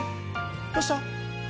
どうした？